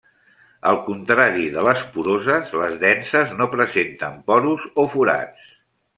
Al contrari de les poroses, les denses no presenten porus o forats.